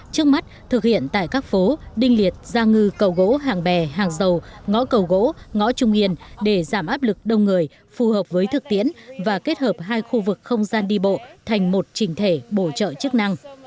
trước mắt thực hiện tại các phố đinh liệt gia ngư cầu gỗ hàng bè hàng dầu ngõ cầu gỗ ngõ trung yên để giảm áp lực đông người phù hợp với thực tiễn và kết hợp hai khu vực không gian đi bộ thành một trình thể bổ trợ chức năng